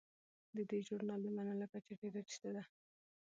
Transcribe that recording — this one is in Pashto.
د دې ژورنال د منلو کچه ډیره ټیټه ده.